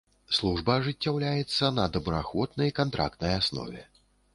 Служба ажыццяўляецца на добраахвотнай кантрактнай аснове.